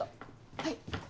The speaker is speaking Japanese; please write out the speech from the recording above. はい。